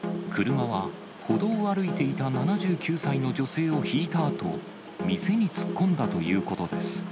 車は歩道を歩いていた７９歳の女性をひいたあと、店に突っ込んだということです。